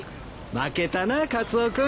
負けたなカツオ君。